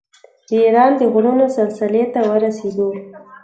د ایران د غرونو سلسلې ته ورسېدو.